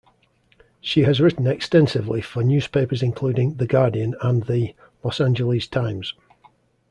She has written extensively for newspapers including "The Guardian" and the "Los Angeles Times".